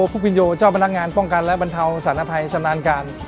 พวกพุฒิวินโยเจ้าพนักงานป้องกันและบรรเทาสถานภัยชะนานการณ์